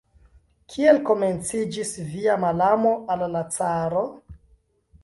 Kiel komenciĝis via malamo al la caro?